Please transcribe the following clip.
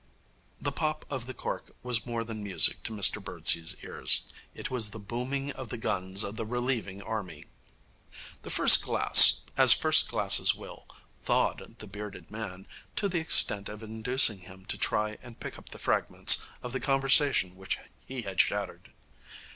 The pop of the cork was more than music to Mr Birdsey's ears. It was the booming of the guns of the relieving army. The first glass, as first glasses will, thawed the bearded man, to the extent of inducing him to try and pick up the fragments of the conversation which he had shattered.